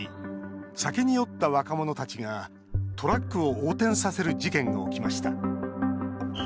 酒に酔った若者たちがトラックを横転させる事件が起きました。